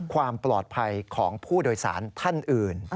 ความปลอดภัยของผู้โดยสารท่านอื่น